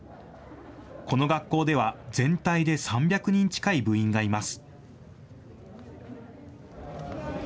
この学校では全体で３００人近い部員がいます。